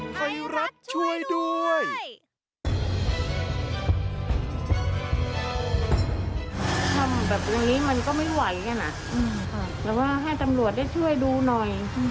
ทำแบบตรงนี้มันก็ไม่ไหวนะแต่ว่าให้ตำรวจได้ช่วยดูหน่อย